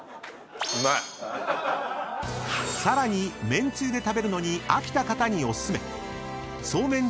［さらにめんつゆで食べるのに飽きた方にお薦めソーメン